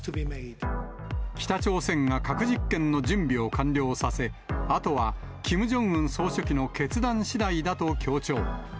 北朝鮮が核実験の準備を完了させ、あとはキム・ジョンウン総書記の決断しだいだと強調。